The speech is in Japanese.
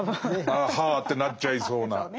ああはあってなっちゃいそうな。